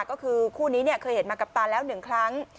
ก็คือคู่นี้เนี่ยเคยเห็นมากับตาแล้วหนึ่งครั้ง